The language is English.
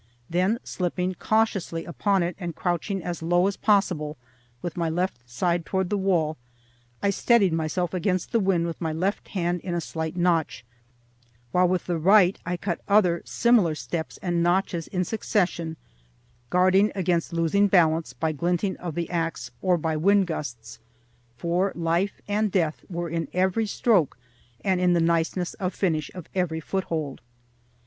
Then, slipping cautiously upon it, and crouching as low as possible, with my left side toward the wall, I steadied myself against the wind with my left hand in a slight notch, while with the right I cut other similar steps and notches in succession, guarding against losing balance by glinting of the axe, or by wind gusts, for life and death were in every stroke and in the niceness of finish of every foothold.